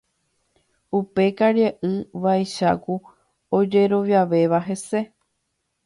Upe karia'y vaicháku ojeroviavéva hese